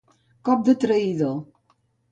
Cop de traïdor.